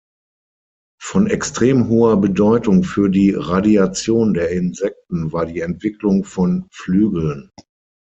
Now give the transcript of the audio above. Von extrem hoher Bedeutung für die Radiation der Insekten war die Entwicklung von Flügeln.